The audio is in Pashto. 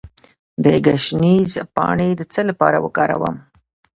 د ګشنیز پاڼې د څه لپاره وکاروم؟